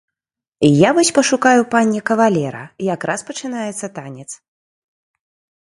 Я вось пашукаю панне кавалера, якраз пачынаецца танец.